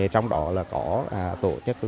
trong đó là có tổ chức